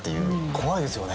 怖いですよね。